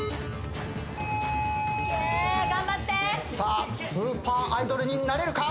さあスーパーアイドルになれるか！？